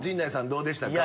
どうでしたか？